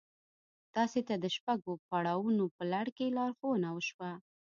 تاسې ته د شپږو پړاوونو په لړ کې لارښوونه وشوه.